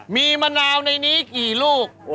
มีมะนาวในนี้กี่ลูก